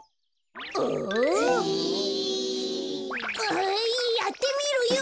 あやってみるよ！